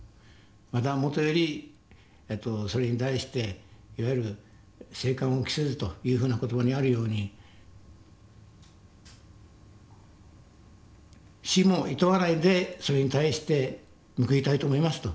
またもとよりそれに対していわゆる生還を期せずというふうな言葉にあるように死もいとわないでそれに対して報いたいと思いますと。